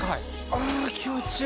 あぁ気持ちいい。